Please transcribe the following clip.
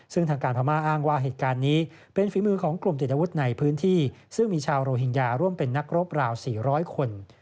ซึ่งทางการพม่าอ้างว่าเหตุการณ์นี้เป็นฝีมือของกลุ่มติดอาวุธในพื้นที่ซึ่งมีชาวโรฮิงญาร่วมเป็นนักรบราว๔๐๐คน